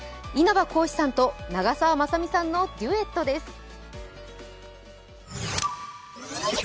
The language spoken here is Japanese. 稲葉浩志さんと長澤まさみさんのデュエットです。